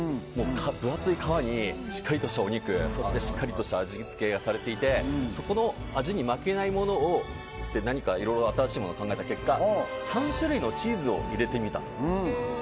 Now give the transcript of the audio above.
分厚い皮にしっかりとしたお肉しっかりとした味付けがされていて、そこの味に負けないものをって新しいものを考えた結果３種類のチーズを入れてみたと。